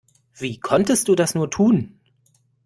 Wie konntest du das nur tun?